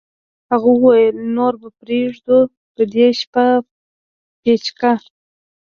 هغه وویل نوره به پرېږدو په دې شپه پیچکه